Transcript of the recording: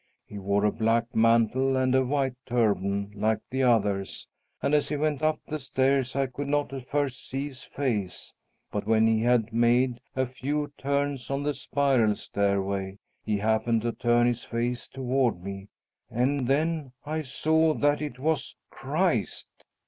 He wore a black mantle and a white turban, like the others, and as he went up the stairs I could not at first see his face, but when he had made a few turns on the spiral stairway, he happened to turn his face toward me, and then I saw that it was Christ."